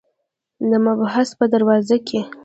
د محبس په دروازو کې.